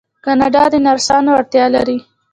کاناډا د نرسانو اړتیا لري.